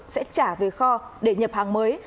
sẽ trả về kho để nhập hàng mới